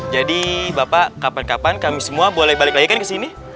jadi bapak kapan kapan kami semua boleh balik lagi kan kesini